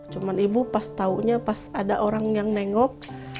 cuma ibu pas taunya pas ada orang yang nengok